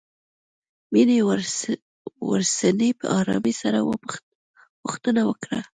مينې ورڅنې په آرامۍ سره پوښتنه وکړه.